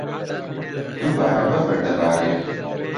دووبارە بەفر دەبارێت.